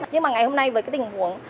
nhưng mà ngày hôm nay với cái tình huống